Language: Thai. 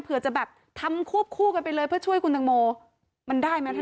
จะแบบทำควบคู่กันไปเลยเพื่อช่วยคุณตังโมมันได้ไหมท่าน